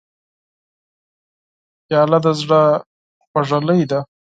پیاله د زړه خوږلۍ ده.